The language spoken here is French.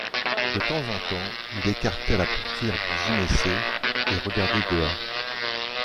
De temps en temps il écartait la portière du gynécée et regardait Dea.